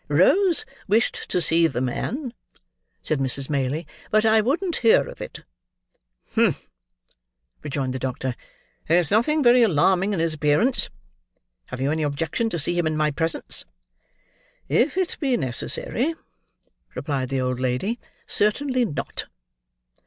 "Rose wished to see the man," said Mrs. Maylie, "but I wouldn't hear of it." "Humph!" rejoined the doctor. "There is nothing very alarming in his appearance. Have you any objection to see him in my presence?" "If it be necessary," replied the old lady, "certainly not."